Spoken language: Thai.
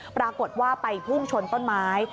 ปรากฏว่าไปพุ่งชนต้นไม้